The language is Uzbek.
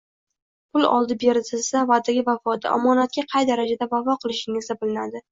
pul oldi-berdisida, va’daga vafoda, omonatga qay darajada vafo qilishingizda bilinadi.